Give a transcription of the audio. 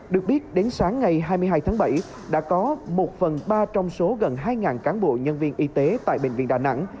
được biết đến sáng ngày hai mươi hai tháng bảy đã có một phần ba trong số gần hai cán bộ nhân viên y tế tại bệnh viện đà nẵng